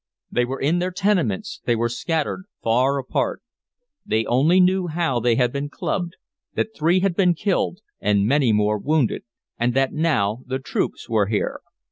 They were in their tenements, they were scattered far apart. They only knew how they had been clubbed, that three had been killed and many more wounded, and that now the troops were here.